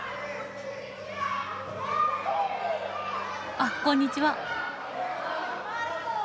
あっこんにちは。